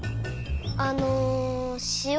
あのしお